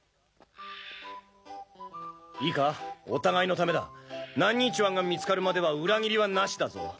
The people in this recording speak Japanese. いいかお互いのためだ男溺泉が見つかるまでは裏切りはなしだぞ！